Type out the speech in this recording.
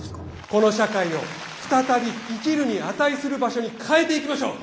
この社会を再び生きるに値する場所に変えていきましょう！